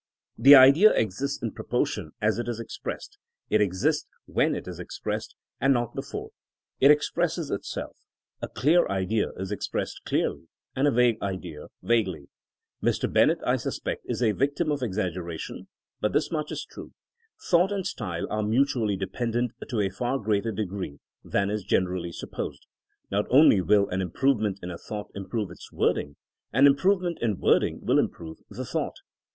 The idea exists in proportion as it is ex pressed ; it exists when it is expressed, and not 196 THINKINO AS A SCIENCE before. It expresses itself. A dear idea is ex pressed clearly and a vague idea vaguely. ^ Mr. Bennett, I suspect, is a victim of exagger ation. But this much is true: Thought and style are mutually dependent to a far greater degree than is generally supposed. Not only will an improvement in a thought improve its wording; an improvement in wording wiU im prove the thought.